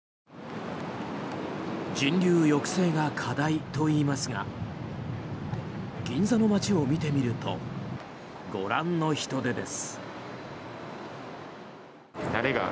人流抑制が課題といいますが銀座の街を見てみるとご覧の人出です。